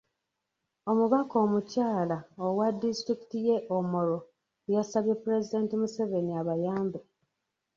Omubaka omukyala owa disitulikiti y'e Omoro yasabye Pulezidenti Museveni abayambe.